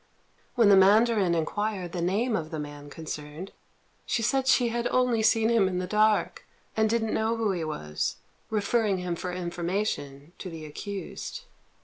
When the mandarin inquired the name of the man concerned, she said she had only seen him in the dark and didn't know who he was, referring him for information to the accused.